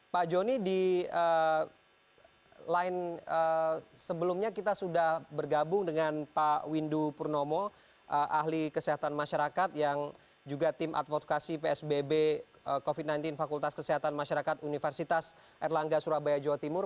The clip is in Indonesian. pak joni di lain sebelumnya kita sudah bergabung dengan pak windu purnomo ahli kesehatan masyarakat yang juga tim advokasi psbb covid sembilan belas fakultas kesehatan masyarakat universitas erlangga surabaya jawa timur